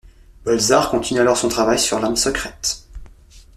Bolzar continue alors son travail sur l'arme secrète.